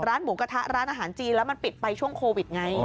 หมูกระทะร้านอาหารจีนแล้วมันปิดไปช่วงโควิดไง